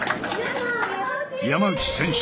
山内選手